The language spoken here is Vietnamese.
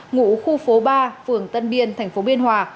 ngủ khu phố ba phường tân biên thành phố biên hòa